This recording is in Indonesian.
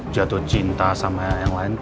jatuh cinta sama yang lain